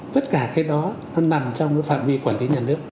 tất cả cái đó nó nằm trong cái phạm vi quản lý nhà nước